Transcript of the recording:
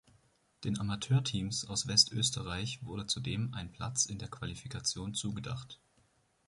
Den Amateurteams aus Westösterreich wurde zudem ein Platz in der Qualifikation zugedacht.